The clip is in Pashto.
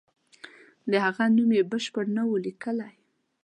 د هغه نوم یې بشپړ نه وو لیکلی.